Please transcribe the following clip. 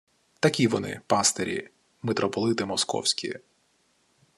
Такі вони, пастирі, митрополити московські